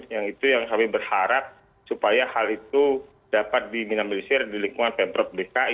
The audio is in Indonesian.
jadi kami berharap supaya hal itu dapat diminabilisir di lingkungan pemprov dki